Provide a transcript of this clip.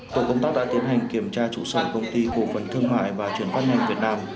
tổ công tác đã tiến hành kiểm tra trụ sở công ty cổ phần thương mại và chuyển phát nhanh việt nam